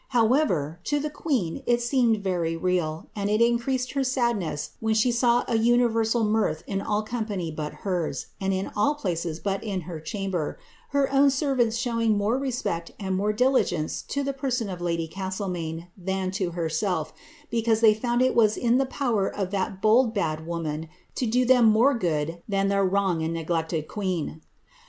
However, to the queen it seemed very real, and it increased her sadness when she saw an universal mirth in all company bnt hers, and in all places but in her chamber; her own servants showing more respect and more diligence to t)ie person of lady Castlemaine than lo herself, because they found it was in the power of that bold bad woman to do them more good than tlieir wronged and neglected queen.